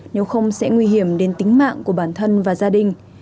nếu không sẽ nguy hiểm đến tính mạng của bản thân và gia đình